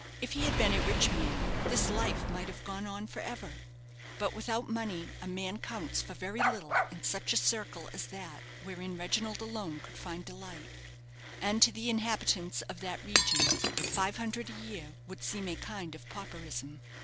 If he had been a rich man, this life might have gone on for ever; but without money a man counts for very little in such a circle as that wherein Reginald alone could find delight, and to the inhabitants of that region five hundred a year would seem a kind of pauperism.